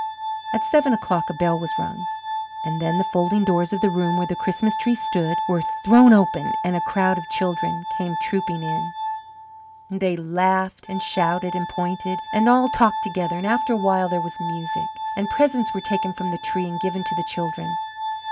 At seven o'clock a bell was rung, and then the folding doors of the room where the Christmas tree stood were thrown open, and a crowd of children came trooping in. They laughed and shouted and pointed, and all talked together, and after a while there was music, and presents were taken from the tree and given to the children.